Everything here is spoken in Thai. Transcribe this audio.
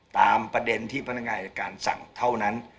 ตามประเด็นที่พนักงานอายการสั่งเท่านั้น